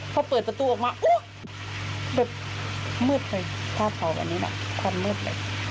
พอเปิดประตูออกมาแบบมืดเลยภาพเผาอันนี้แบบความมืดเลย